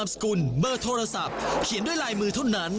สกุลเบอร์โทรศัพท์เขียนด้วยลายมือเท่านั้น